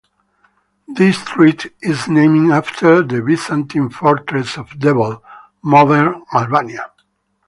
This treaty is named after the Byzantine fortress of Devol, modern Albania.